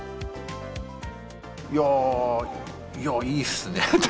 いやー、いいっすね。